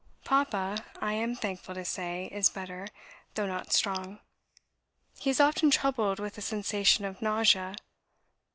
... Papa, I am thankful to say, is better, though not strong. He is often troubled with a sensation of nausea.